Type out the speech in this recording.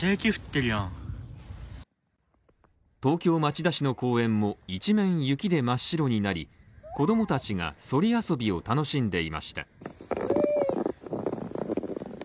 東京・町田市の公園も、一面雪で真っ白になり、子供たちがそり遊びを楽しんでいました。